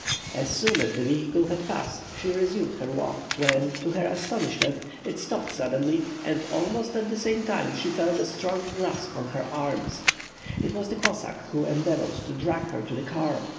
As soon as the vehicle had passed she resumed her walk; when, to her astonishment, it stopped suddenly, and almost at the same moment she felt a strong grasp on her arms. It was the Cossack, who endeavoured to drag her to the car.